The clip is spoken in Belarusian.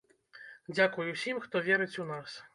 Дзякуй усім хто верыць у нас!